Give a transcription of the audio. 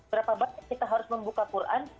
berapa banyak kita harus membuka quran